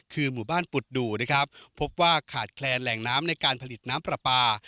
คือหมู่บ้านปุดดูนะครับพบว่าขาดแคลนแหล่งน้ำในการผลิตน้ำปลาปลา